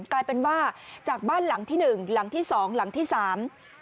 กลายเป็นว่าจากบ้านหลังที่หนึ่งหลังที่สองหลังที่สาม